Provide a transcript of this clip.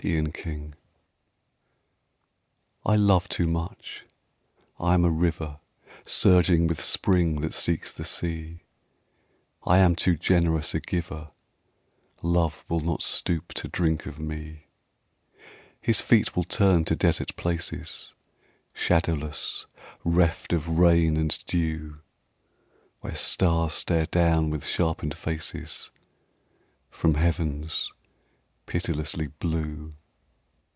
DESERT POOLS I LOVE too much; I am a river Surging with spring that seeks the sea, I am too generous a giver, Love will not stoop to drink of me. His feet will turn to desert places Shadowless, reft of rain and dew, Where stars stare down with sharpened faces From heavens pitilessly blue.